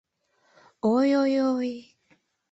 — Ой-ой-ой...